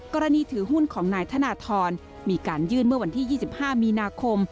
ถือหุ้นของนายธนทรมีการยื่นเมื่อวันที่๒๕มีนาคม